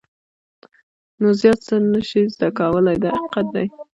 نو زیات څه نه شې زده کولای دا حقیقت دی.